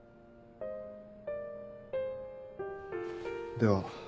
では